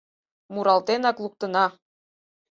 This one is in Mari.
Муралтенак луктына.